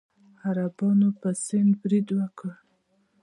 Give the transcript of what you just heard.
عربانو په سند برید وکړ.